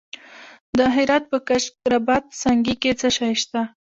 د هرات په کشک رباط سنګي کې څه شی شته؟